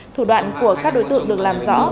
thủ đoạn của các đối tượng được làm rõ